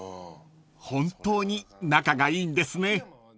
［本当に仲がいいんですね］